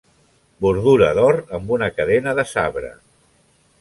Bordura d'or, amb una cadena de sabre.